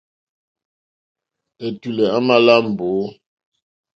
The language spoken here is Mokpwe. Ɛ̀tùlɛ̀ á mā lá mbǒ.